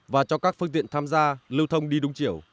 và cho các phương tiện tham gia lưu thông đi đúng chiều